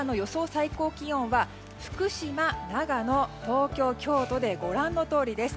最高気温は福島、長野、東京、京都でご覧のとおりです。